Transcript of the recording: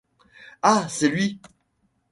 Ah ! c’est lui…